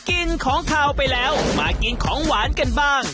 กินของขาวไปแล้วมากินของหวานกันบ้าง